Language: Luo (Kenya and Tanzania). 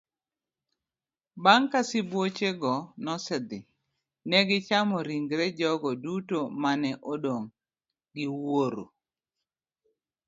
Bang' ka sibuochego nosedhi, ne gichamo ringre jogo duto ma ne odong gi wuoro'.